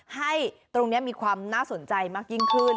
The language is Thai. ให้ตรงนี้มีความน่าสนใจมากยิ่งขึ้น